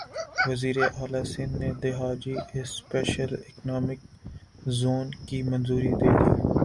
وزیراعلی سندھ نے Dhabeji special economic zone کی منظوری دیدی